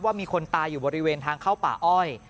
มีคนตายอยู่บริเวณทางเข้าป่าอ้อย